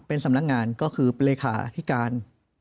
เป็นสำนักงานก็คือเลขาธิการ